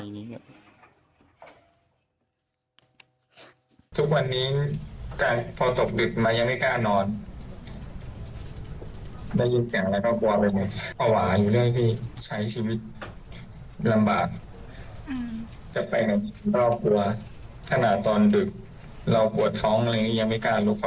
นี่คุณแบ๊งก็เลยส่งคลิป